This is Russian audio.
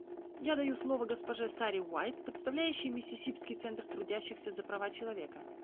Я даю слово госпоже Саре Уайт, представляющей Миссисипский центр трудящихся за права человека.